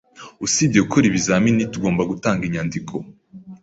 Usibye gukora ibizamini, tugomba gutanga inyandiko.